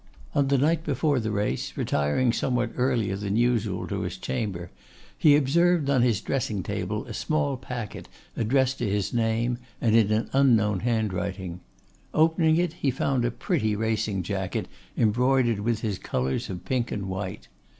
On the night before the race, retiring somewhat earlier than usual to his chamber, he observed on his dressing table a small packet addressed to his name, and in an unknown handwriting. Opening it, he found a pretty racing jacket embroidered with his colours of pink and white.